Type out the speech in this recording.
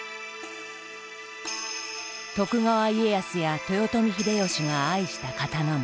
徳川家康や豊臣秀吉が愛した刀も。